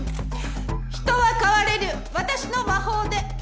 人は変われる私の魔法で。